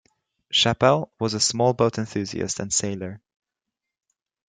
Chapelle was a small-boat enthusiast and sailor.